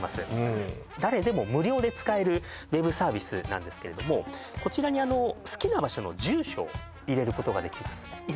うん誰でも無料で使えるＷＥＢサービスなんですけれどもこちらに好きな場所の住所を入れることができます